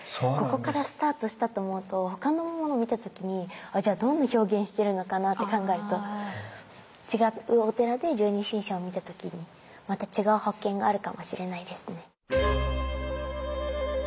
ここからスタートしたって思うと他のものを見た時にじゃあどんな表現してるのかなって考えると違うお寺で十二神将を見た時にまた違う発見があるかもしれないですね。